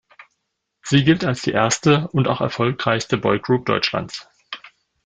Sie gilt als die erste und auch erfolgreichste Boygroup Deutschlands.